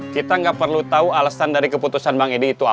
kita nggak perlu tahu alasan dari keputusan bang edi itu apa